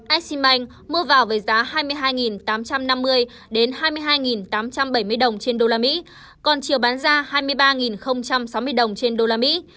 exim bank mua vào với giá hai mươi hai tám trăm năm mươi hai mươi hai tám trăm bảy mươi đồng trên đô la mỹ còn chiều bán ra hai mươi ba sáu mươi đồng trên đô la mỹ